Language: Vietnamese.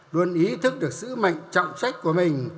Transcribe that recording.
luôn ý thức được sứ mệnh trọng trách của mình